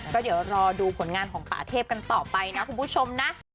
ก็เดี๋ยวรอดูผลงานของป่าเทพกันต่อไปนะคุณผู้ชมนะ